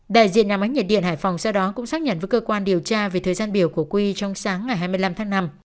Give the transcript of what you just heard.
đại diện nhà máy nhiệt điện hải phòng sau đó cũng xác nhận với cơ quan điều tra về thời gian biểu của quy trong sáng ngày hai mươi năm tháng năm